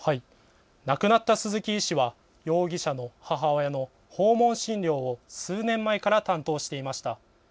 亡くなった鈴木医師は容疑者の母親の訪問診療を数年前から担当していました。